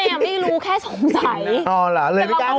อ้าว